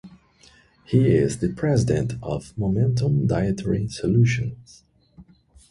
He is the President of Momentum Dietary Solutions.